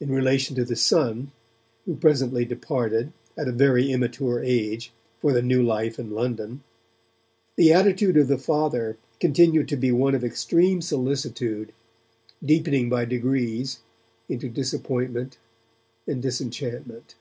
In relation to the Son who presently departed, at a very immature age, for the new life in London the attitude of the Father continued to be one of extreme solicitude, deepening by degrees into disappointment and disenchantment.